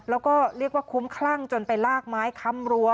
แล้วก็เรียกว่าคุ้มคลั่งจนไปลากไม้ค้ำรั้ว